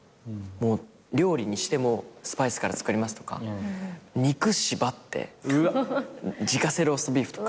料理にしてもスパイスから作りますとか肉縛って自家製ローストビーフとか。